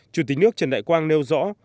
chủ tịch nước trần đại quang nêu rõ